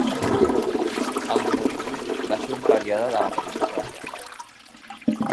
El neolític va ser un període de la prehistòria.